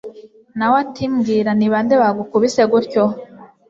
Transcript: nawe ati mbwira nibande bagukubise gutyo